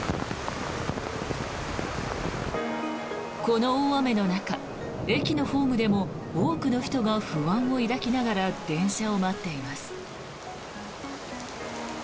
この大雨の中、駅のホームでも多くの人が不安を抱きながら電車を待っています。